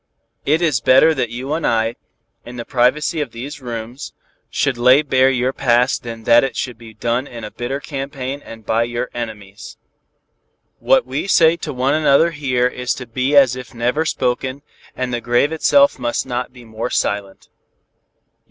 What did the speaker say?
It is better that you and I, in the privacy of these rooms, should lay bare your past than that it should be done in a bitter campaign and by your enemies. What we say to one another here is to be as if never spoken, and the grave itself must not be more silent.